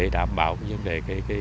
đảm bảo vấn đề